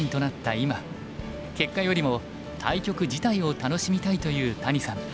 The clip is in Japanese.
今「結果よりも対局自体を楽しみたい」という谷さん。